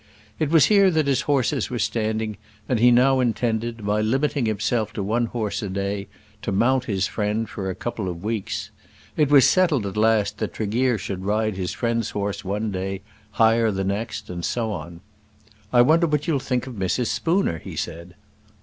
It was here that his horses were standing, and he now intended, by limiting himself to one horse a day, to mount his friend for a couple of weeks. It was settled at last that Tregear should ride his friend's horse one day, hire the next, and so on. "I wonder what you'll think of Mrs. Spooner?" he said.